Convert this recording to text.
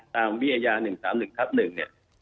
ตามวิทยา๑๓๑ทับ๑เนี่ยจริง